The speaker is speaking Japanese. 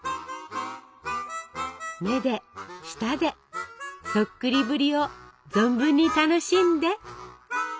目で舌でそっくりぶりを存分に楽しんで！